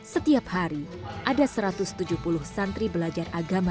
setiap hari ada satu ratus tujuh puluh santri belajar agama